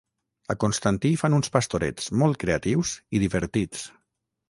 A Constantí fan uns Pastorets molt creatius i divertits.